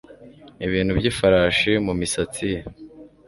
ibintu by'ifarashi mumisatsi ye